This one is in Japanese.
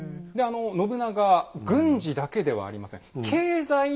信長軍事だけではありません。